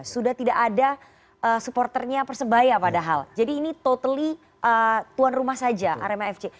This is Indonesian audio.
sudah tidak ada supporternya persebaya padahal jadi ini totally tuan rumah saja arema fc